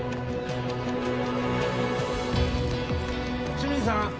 清水さん